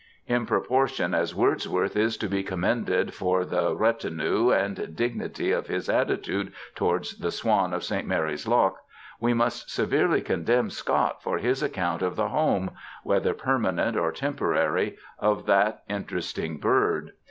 In proportion as Wordsworth is to be commended for the retenue and dignity of his attitude towards the swan of St. Mary^s Loch, we must severely condemn Scott for his account of the home ŌĆö ^whether permanent or temporary ŌĆö of that interesting bird.